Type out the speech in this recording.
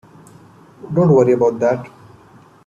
Don't worry about that.